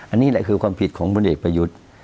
อันนี้แหละคือความผิดของพลเอกประยุทธ์